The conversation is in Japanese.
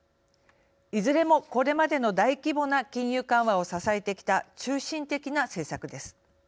いずれも、これまでの大規模な金融緩和を支えてきた中心的な政策です。